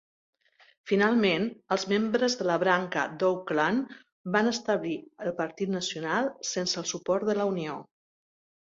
Finalment, els membres de la branca d'Auckland van establir el Partit Nacional sense el suport de la Unió.